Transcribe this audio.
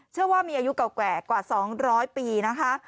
เชื่อว่ามีอายุเก่าแก่กว่า๒๐๐ปีนะคะ